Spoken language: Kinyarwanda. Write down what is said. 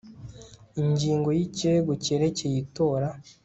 Ingingo ya Ikirego cyerekeye itora